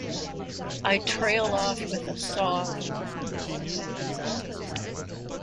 I trail off with a sob.